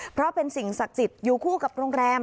เพราะเป็นสิ่งศักดิ์สิทธิ์อยู่คู่กับโรงแรม